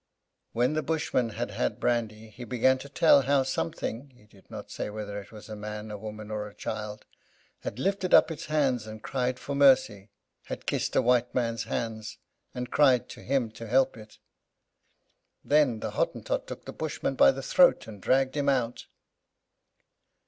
When the Bushman had had brandy, he began to tell how something (he did not say whether it was man, woman, or child) had lifted up its hands and cried for mercy; had kissed a white man's hands, and cried to him to help it. Then the Hottentot took the Bushman by the throat, and dragged him out.